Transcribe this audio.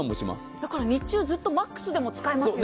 だから日中ずっとマックスでも使えますよね。